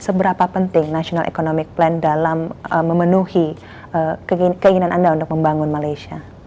seberapa penting national economic plan dalam memenuhi keinginan anda untuk membangun malaysia